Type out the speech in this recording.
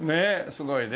すごいね。